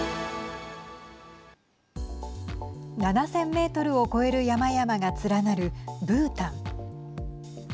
７０００メートルを超える山々が連なるブータン。